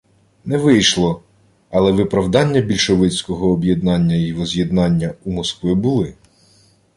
Не вийшло! Але виправдання більшовицького «об'єднання й возз'єднання» у Москви були